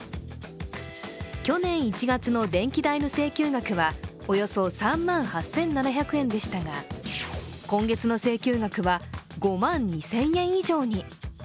去年１月の電気代の請求額はおよそ３万８７００円でしたが今月の請求額は５万２０００円以上に。